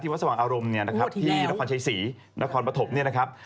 วัดสว่างอารมณ์เนี่ยนะครับที่นครชัยศรีนครปฐมเนี่ยนะครับ